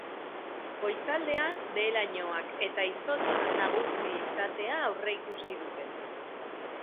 Goizaldean behe lainoak eta izotza nagusi izatea aurreikusi dute.